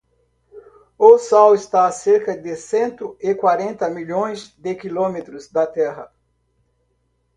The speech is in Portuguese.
O Sol está a cerca de cento e quarenta milhões de quilómetros da Terra.